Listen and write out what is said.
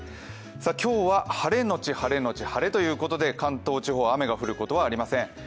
今日は晴れ後、晴れ後、晴れということで、関東地方、雨が降ることはありません。